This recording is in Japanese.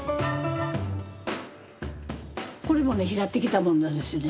これもね拾ってきたものなんですよね。